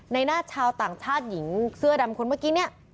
หน้าชาวต่างชาติหญิงเสื้อดำคนเมื่อกี้เนี่ย